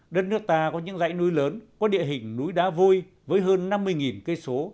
đất nước ta có những dãy núi lớn có địa hình núi đá vôi với hơn năm mươi km